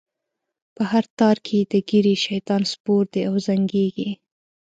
په هر تار کی یې د ږیری؛ شیطان سپور دی او زنګیږی